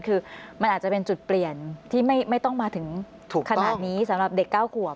คือมันอาจจะเป็นจุดเปลี่ยนที่ไม่ต้องมาถึงขนาดนี้สำหรับเด็ก๙ขวบ